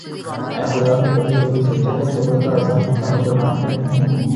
اے خدا کے بندوں کبھی سوچا ہے قبر کا عذاب کتنا خطرناک ہے